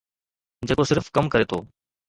جيڪو صرف ڪم ڪري ٿو.